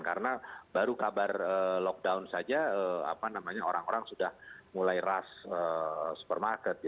karena baru kabar lockdown saja orang orang sudah mulai rush supermarket